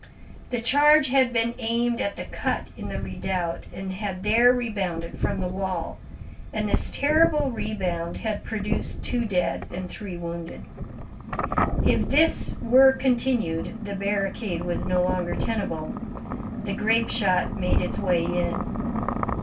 The charge had been aimed at the cut in the redoubt, and had there rebounded from the wall; and this terrible rebound had produced two dead and three wounded. If this were continued, the barricade was no longer tenable. The grape shot made its way in.